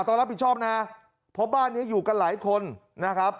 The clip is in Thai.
ต้องรับผิดชอบนะเพราะบ้านนี้อยู่กันหลายคนนะครับ